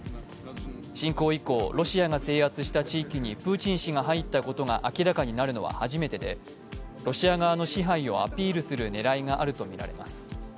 侵攻以降、ロシアが制圧した地域にプーチン氏が入ったことが明らかになるのは初めてで、ロシア側の支配をアピールする狙いがあるとみられます。